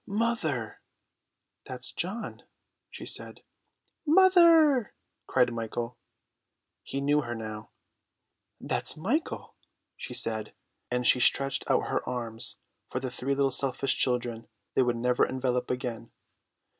"Mother!" "That's John," she said. "Mother!" cried Michael. He knew her now. "That's Michael," she said, and she stretched out her arms for the three little selfish children they would never envelop again.